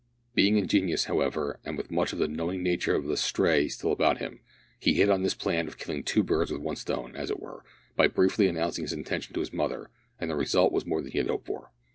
Being ingenious, however, and with much of the knowing nature of the "stray" still about him, he hit on this plan of killing two birds with one stone, as it were, by briefly announcing his intentions to his mother; and the result was more than he had hoped for.